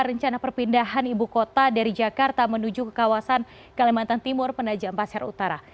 rencana perpindahan ibu kota dari jakarta menuju ke kawasan kalimantan timur penajam pasir utara